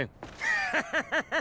ハハハハッ！